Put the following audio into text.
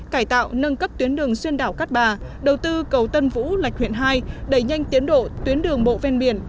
cải tạo nâng cấp tuyến đường xuyên đảo cát bà đầu tư cầu tân vũ lạch huyện hai đẩy nhanh tiến độ tuyến đường bộ ven biển